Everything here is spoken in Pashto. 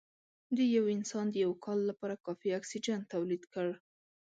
د یو انسان د یو کال لپاره کافي اکسیجن تولید کړ